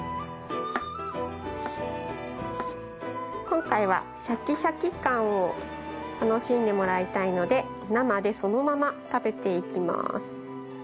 今回はシャキシャキ感を楽しんでもらいたいので生でそのまま食べていきます。